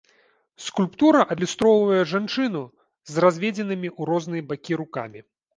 Скульптура адлюстроўвае жанчыну з разведзенымі ў розныя бакі рукамі.